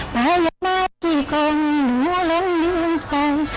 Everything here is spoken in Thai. แต่ยังไม่กี่คนรู้แล้วลืมไป